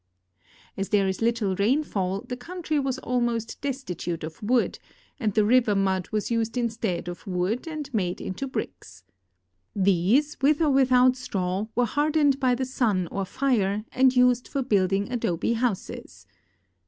As there is little rainfall, the countr}'^ was almost destitute of w'ood, and the river mud was used instead of wood and made into bricks. These, with or without straw', were hardened by the sun or fire and used for building adobe houses.